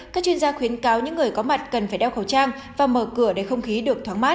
các chuyên gia khuyến cáo những người có mặt cần phải đeo khẩu trang và mở cửa để không khí được thoáng mát